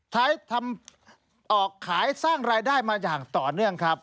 ใช้ทำออกขายสร้างรายได้มาอย่างต่อเนื่องครับ